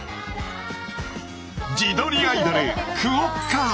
自撮りアイドルクオッカ。